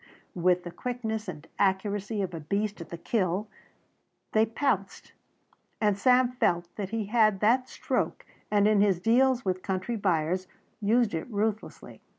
With the quickness and accuracy of a beast at the kill they pounced and Sam felt that he had that stroke, and in his deals with country buyers used it ruthlessly.